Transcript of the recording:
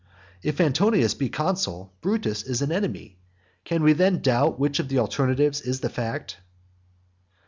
If Antonius be consul, Brutus is an enemy. Can we then doubt which of these alternatives is the fact?